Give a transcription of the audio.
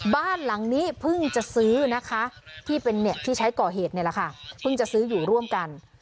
บ้านหลังนี้เพิ่งจะซื้อนะคะที่เป็นที่ใช้ก่อเหตุนี่แหละค่ะเพิ่งจะซื้ออยู่ร่วมกัน